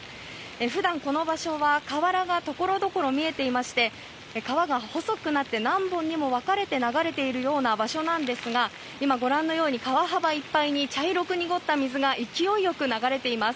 普段この場所は瓦がところどころ見えていまして川が細くなって何本にも流れているような場所なんですが川幅いっぱいに茶色く濁った水が勢いよく流れています。